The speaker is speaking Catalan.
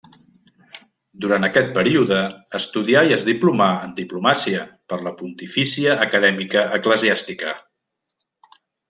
Durant aquest període estudià i es diplomà en diplomàcia per la Pontifícia Acadèmia Eclesiàstica.